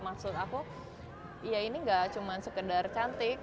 maksud aku ya ini gak cuma sekedar cantik